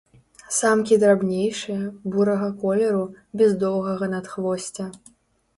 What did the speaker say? Самкі драбнейшыя, бурага колеру, без доўгага надхвосця.